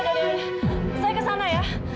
saya kesana ya